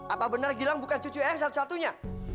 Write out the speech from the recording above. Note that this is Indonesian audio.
apa benar gilang bukan cucu eyang satu satunya